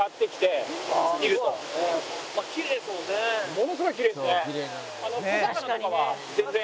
ものすごいきれいですね。